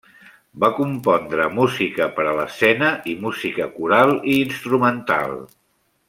Va compondre música per a l'escena, i música coral i instrumental.